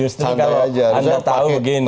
justru kalau anda tahu begini